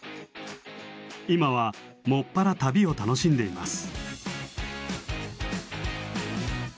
今は専ら旅を楽しんでいます。